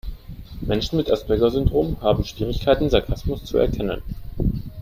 Menschen mit Asperger-Syndrom haben Schwierigkeiten, Sarkasmus zu erkennen.